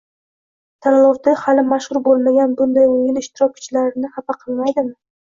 Tanlovda hali mashhur bo'lmagan bunday o'yin ishtirokchilarni xafa qilmaydimi?